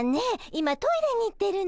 今トイレに行ってるの。